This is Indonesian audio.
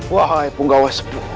wahai punggawa sepuluh